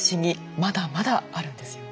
まだまだあるんですよね。